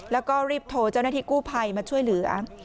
แล้วก็รีบโทรเจ้าหน้าที่กู้ภัยมาช่วยเหลือ